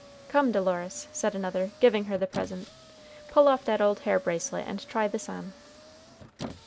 "Come, Dolores," said another, giving her the present, "pull off that old hair bracelet, and try this on."